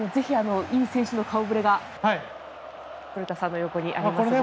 選手の顔ぶれが古田さんの横にありますが。